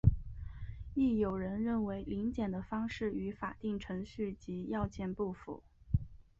亦有人认为临检的方式与法定程序及要件不符。